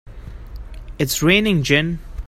It's raining gin!